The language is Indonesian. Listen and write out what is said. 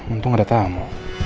untung ada tamu